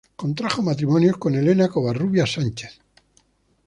Contrajo matrimonio con Elena Covarrubias Sánchez.